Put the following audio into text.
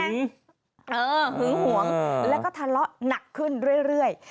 หึงหึงห่วงแล้วก็ทะเลาะหนักขึ้นเรื่อย